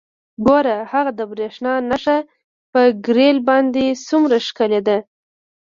ګوره هغه د بریښنا نښه په ګریل باندې څومره ښکلې ده